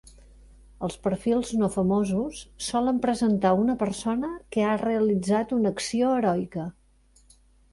Els perfils no famosos solen presentar una persona que ha realitzat una acció heroica.